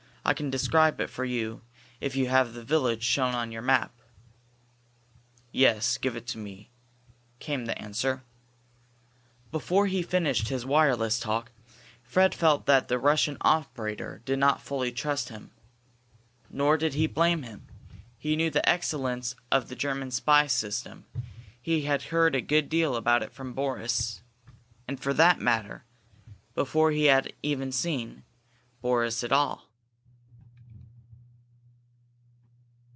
I can describe it for you if you have the village shown on your map." "Yes. Give it to me," came the answer. Before he finished his wireless talk, Fred felt that the Russian operator did not fully trust him. Nor did he blame him. He knew the excellence of the German spy system; he had heard a good deal about it from Boris, and, for that matter, before he had even seen Boris at all.